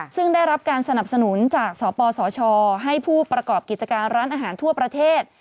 ซึ่งได้รับการสนับสนุนจากสปสชให้ผู้ประกอบกิจการร้านอาหารทั่วประเทศ